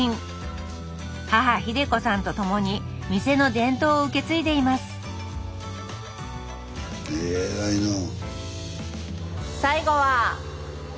母秀子さんと共に店の伝統を受け継いでいます偉いなあ。